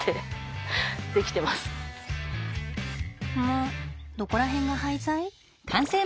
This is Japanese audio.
むっどこら辺が廃材？